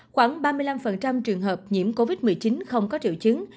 khoảng ba mươi năm trường hợp nhiễm covid một mươi chín không có triệu chứng